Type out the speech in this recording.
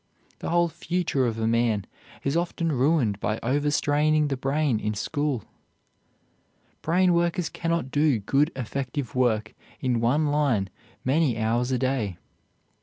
The whole future of a man is often ruined by over straining the brain in school. Brain workers cannot do good, effective work in one line many hours a day.